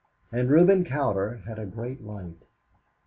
And Reuben Cowder had a great light.